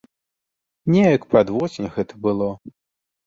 Неяк пад восень гэта было.